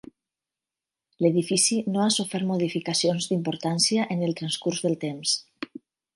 L'edifici no ha sofert modificacions d'importància en el transcurs del temps.